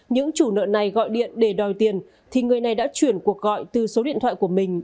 những chủ nợ này gọi điện để đòi tiền thì người này đã chuyển cuộc gọi từ số điện thoại của mình